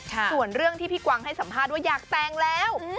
ส่วนเรื่องที่พี่กวางให้สัมภาษณ์ว่าอยากแต่งแล้ว